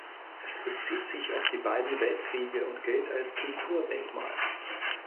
Es bezieht sich auf die beiden Weltkriege und gilt als Kulturdenkmal.